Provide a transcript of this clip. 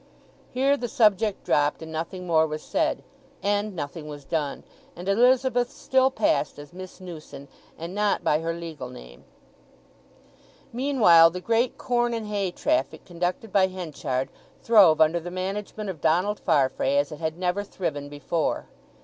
Here the subject dropped, and nothing more was said, and nothing was done, and Elizabeth still passed as Miss Newson, and not by her legal name. Meanwhile the great corn and hay traffic conducted by Henchard throve under the management of Donald Farfrae as it had never thriven before.